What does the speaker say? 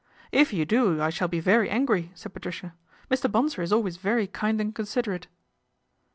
" If you do I shall be very angry," said Patricia ;" Mr. Bonsor is always very kind and considerate."